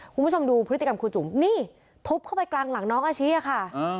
คุณผู้ชมดูพฤติกรรมครูจุ๋มนี่ทุบเข้าไปกลางหลังน้องอาชิค่ะ